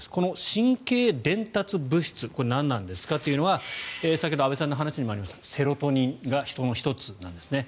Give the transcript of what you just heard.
神経伝達物質何なんですかというのは先ほど安部さんの話にもありましたがセロトニンがその１つなんですね。